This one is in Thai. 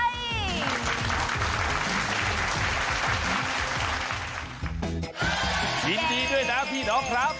ยินดีด้วยนะพี่น้องครับ